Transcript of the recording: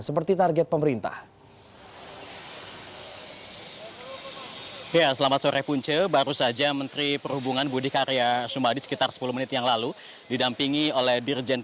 seperti target pemerintah